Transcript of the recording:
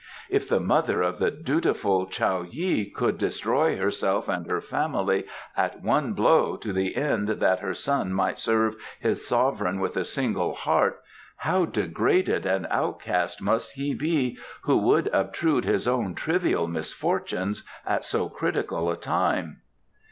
If the mother of the dutiful Chou Yii could destroy herself and her family at one blow to the end that her son might serve his sovereign with a single heart, how degraded an outcast must he be who would obtrude his own trivial misfortunes at so critical a time."